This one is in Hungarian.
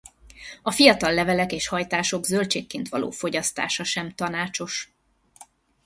A fiatal levelek és hajtások zöldségként való fogyasztása sem tanácsos.